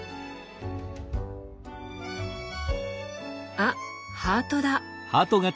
あハートだ。